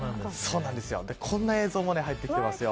こんな映像も入ってきています。